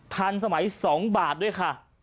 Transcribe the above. ทันสมัย๒บาทด้วยค่ะ